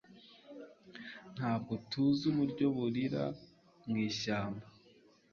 Ntabwo tuzi ubushyo burira mu ishyamba